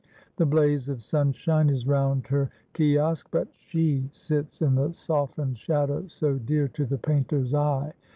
The blaze of sunshine is round her kiosk, but she sits in the softened shadow so dear to the painter's eye.